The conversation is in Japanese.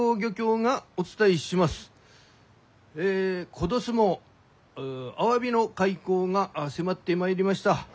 今年もアワビの開口が迫ってまいりました。